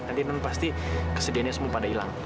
nanti non pasti kesedihannya semua pada hilang